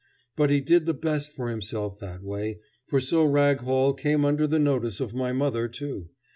But he did the best for himself that way, for so Rag Hall came under the notice of my mother too.